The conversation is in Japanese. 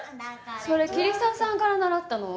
それ桐沢さんから習ったの？